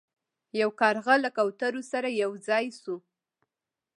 یو کارغه له کوترو سره یو ځای شو.